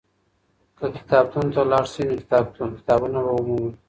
که کتابتون ته لاړ سې نو ډېر کتابونه به ومومې.